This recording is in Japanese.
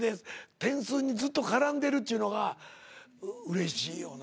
点数にずっと絡んでるっちゅうのがうれしいよな。